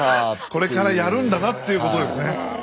これからやるんだなということですね。